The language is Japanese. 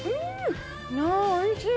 おいしい！